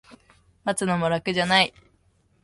待つのも楽じゃない